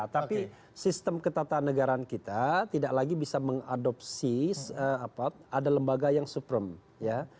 tapi sistem ketatanegaraan kita tidak lagi bisa mengadopsi ada lembaga yang supreme ya